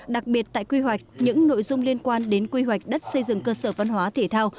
đặc biệt tại quy hoạch những nội dung liên quan đến quy hoạch đất xây dựng cơ sở văn hóa thể thao